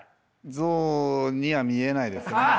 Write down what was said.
ゾウには見えないですね。